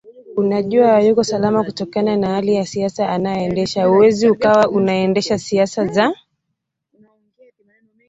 anajua hayuko salama kutokana na aina ya siasa anazoendeshaHuwezi ukawa unaendesha siasa za